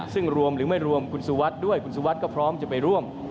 ซึ่งรวมหรือไม่รวมคุณสุวัสดิ์ด้วยคุณสุวัสดิ์ก็พร้อมจะไปร่วม